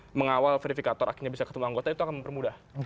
untuk mengawal verifikator akhirnya bisa ketemu anggota itu akan mempermudah